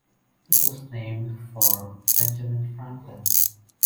It was named for Benjamin Franklin.